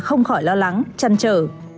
không khỏi lo lắng chăn chờ